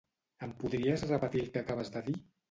Em podries repetir el que acabes de dir?